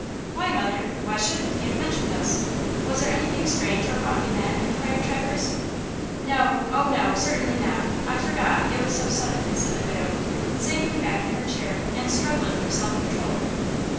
"Why, mother? Why shouldn't he have mentioned us? Was there anything strange or wrong in that?" inquired Traverse. "No; oh no; certainly not; I forgot, it was so sudden," said the widow, sinking back in her chair and struggling for self control.